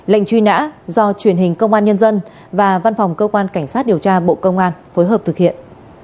lệnh truy nã do truyền hình công an nhân dân và văn phòng cơ quan cảnh sát điều tra bộ công an phối hợp thực hiện